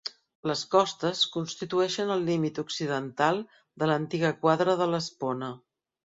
Les Costes constitueixen el límit occidental de l'antiga quadra de l'Espona.